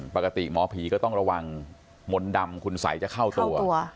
ปกติหมอผีก็ต้องระวังมนต์ดำคุณสัยจะเข้าตัว